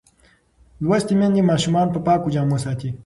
لوستې میندې ماشومان په پاکو جامو ساتي.